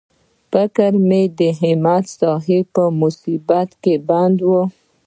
فکر مې د همت صاحب په مصیبت کې بند و.